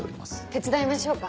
手伝いましょうか？